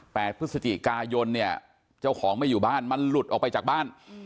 พฤศจิกายนเนี่ยเจ้าของไม่อยู่บ้านมันหลุดออกไปจากบ้าน